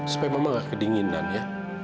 supaya mama gak kedinginan ya